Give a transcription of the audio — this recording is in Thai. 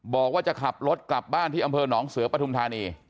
บอกว่าจะขับรถกลับบ้านที่อำเภอหนองเสือปฐุมธานี